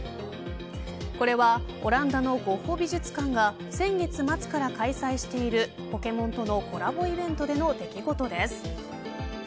これはオランダのゴッホ美術館が先月末から開催しているポケモンとのコラボイベントでの出来事です。